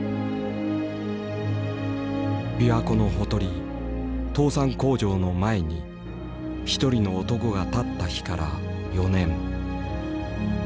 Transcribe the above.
琵琶湖のほとり倒産工場の前に１人の男が立った日から４年。